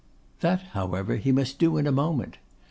That, however, he must do in a moment.